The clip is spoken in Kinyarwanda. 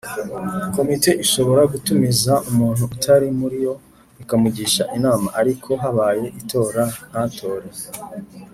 komite ishobora gutumiza umuntu utari muriyo ikamugisha inama ariko habaye itora ntatore